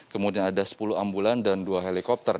kemudian ada sepuluh ambulan dan dua helikopter